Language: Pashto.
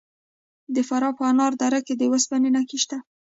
د فراه په انار دره کې د وسپنې نښې شته.